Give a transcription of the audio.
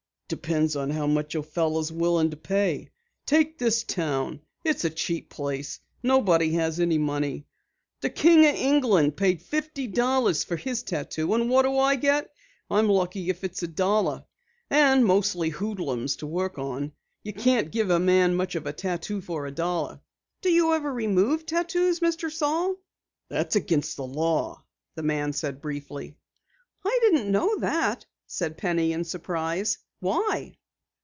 "Depends upon how much a fellow is willing to pay. Take this town it's a cheap place. Nobody has any money. The King of England paid fifty dollars for his tattoo and what do I get? I'm lucky if it's a dollar. And mostly hoodlums to work on. You can't give a man much of a tattoo for a dollar." "Do you ever remove tattoos, Mr. Saal?" "It's against the law," the man replied briefly. "I didn't know that," said Penny in surprise. "Why?"